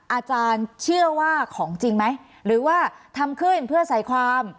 อาจารย์เชื่อว่าของจริงไหมหรือว่าทำขึ้นเพื่อใส่ความ